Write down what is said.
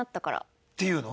って言うの？